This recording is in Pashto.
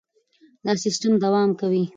دا سیستم دوام کوي.